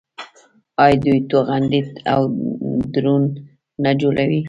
آیا دوی توغندي او ډرون نه جوړوي؟